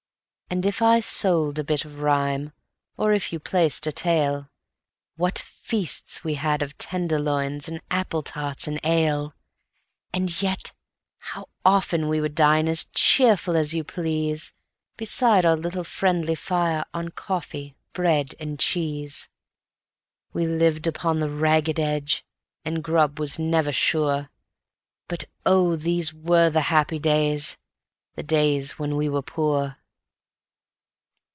And if I sold a bit of rhyme, or if you placed a tale, What feasts we had of tenderloins and apple tarts and ale! And yet how often we would dine as cheerful as you please, Beside our little friendly fire on coffee, bread and cheese. We lived upon the ragged edge, and grub was never sure, But oh, these were the happy days, the days when we were poor.